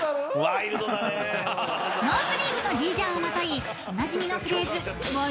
［ノースリーブのジージャンをまといおなじみのフレーズ］